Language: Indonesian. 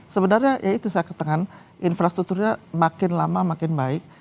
sebenarnya ya itu saya katakan infrastrukturnya makin lama makin baik